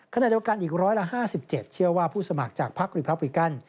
ขณะเดียวกันอีกร้อยละ๕๗เชื่อว่าผู้สมัครจากภักดิ์ริพับวิกัน